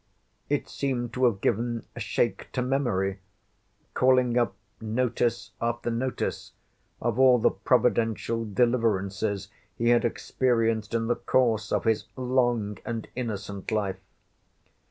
It seemed to have given a shake to memory, calling up notice after notice, of all the providential deliverances he had experienced in the course of his long and innocent life.